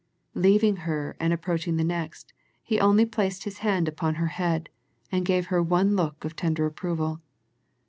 Leaving her and ap proaching the next He only placed His hand upon her head, and gave her one look of tender approval.